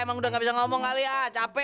emang udah gabisa ngomong kali ya capek